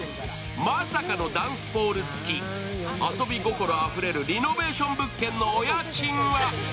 まさかのダンスポール付き、遊び心あふれるリノベーション物件のお家賃は？